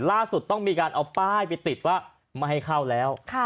ล่าสุดต้องมีการเอาป้ายไปติดว่าไม่ให้เข้าแล้ว